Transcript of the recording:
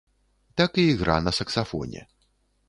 Так і ігра на саксафоне!